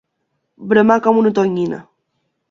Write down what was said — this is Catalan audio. Bramar com una tonyina.